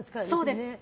そうです。